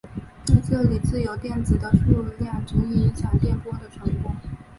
在这里自由电子的数量足以影响电波的传播。